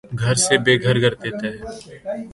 گھر سے بے گھر کر دیتا ہے